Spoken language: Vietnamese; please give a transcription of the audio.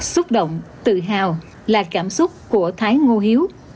xúc động tự hào là cảm xúc của thái ngô hiếu